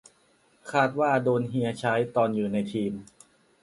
คาดว่าโดนเฮียใช้ ตอนอยู่ในทีม